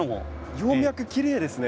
葉脈きれいですね